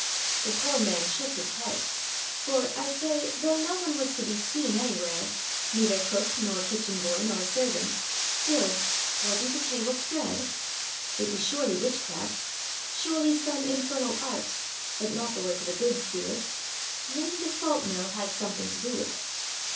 The poor m.an shook his head ; for, I say, though no one was to be seen anywhere, neither cook nor kitchen boy nor servant, still, was n't the table spread ? It was surely witchcraft, surely some infernal art, but not the work of a good spirit, — maybe the salt mill had something to do with it.